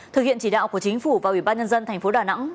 thực hiện chỉ đạo của chính phủ và ủy ban nhân dân thành phố đà nẵng